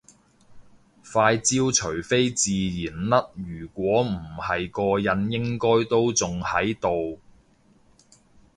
塊焦除非自然甩如果唔係個印應該都仲喺度